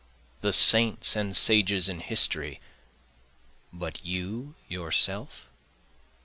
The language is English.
The saints and sages in history but you yourself?